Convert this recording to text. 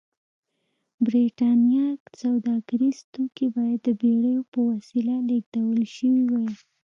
برېټانیا سوداګریز توکي باید د بېړیو په وسیله لېږدول شوي وای.